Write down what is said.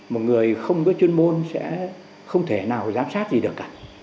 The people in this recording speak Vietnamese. một người không có chuyên môn sẽ không thể nào giám sát gì được cả